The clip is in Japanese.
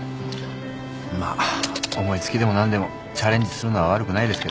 まあ思い付きでも何でもチャレンジするのは悪くないですけどね。